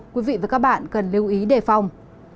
quý vị và các bạn cần lưu ý đề phòng